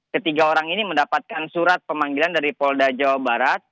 ketiga orang ini mendapatkan surat pemanggilan dari polda jawa barat